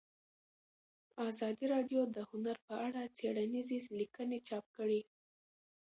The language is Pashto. ازادي راډیو د هنر په اړه څېړنیزې لیکنې چاپ کړي.